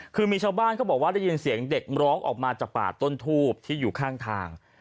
คือมีชาวบ้านเขาบอกว่าได้ยินเสียงเด็กร้องออกมาจากป่าต้นทูบที่อยู่ข้างทาง